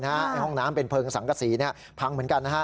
ในห้องน้ำเป็นเพลิงสังกษีพังเหมือนกันนะฮะ